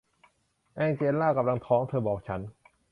แองเจล่ากำลังท้อง เธอบอกฉัน